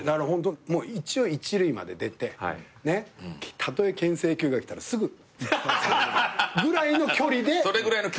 一応一塁まで出てたとえけん制球が来たらすぐぐらいの距離で東京行った。